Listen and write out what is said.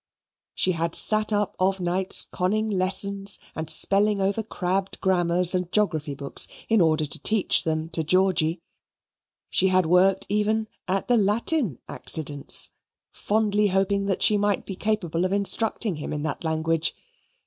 She had sat up of nights conning lessons and spelling over crabbed grammars and geography books in order to teach them to Georgy. She had worked even at the Latin accidence, fondly hoping that she might be capable of instructing him in that language.